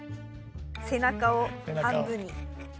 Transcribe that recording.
背中を半分に。